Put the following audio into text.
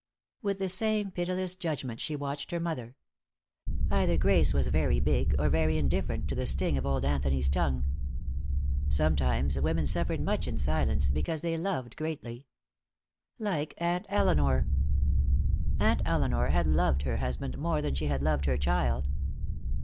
With the same pitiless judgment she watched her mother. Either Grace was very big, or very indifferent to the sting of old Anthony's tongue. Sometimes women suffered much in silence, because they loved greatly. Like Aunt Elinor. Aunt Elinor had loved her husband more than she had loved her child.